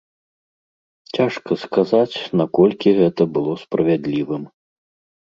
Цяжка сказаць, наколькі гэта было справядлівым.